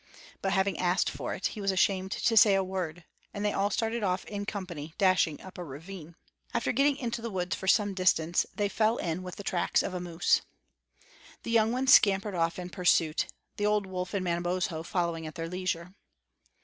But having asked for it, he was ashamed to say a word; and they all started off in company, dashing up a ravine. After getting into the woods for some distance, they fell in with the tracks of moose. The young ones scampered off in pursuit, the old wolf and Manabozho following at their leisure.